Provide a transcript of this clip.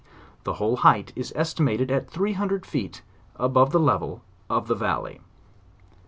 The whole height is estima ted at three hundred feet above tiie level of the valley.